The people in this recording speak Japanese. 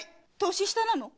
年下なの？